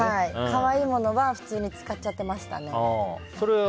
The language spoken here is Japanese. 可愛いものは普通に使っちゃっていましたね。